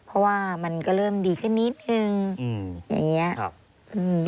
เพราะว่ามันก็เริ่มดีขึ้นนิดหนึ่งอย่างนี้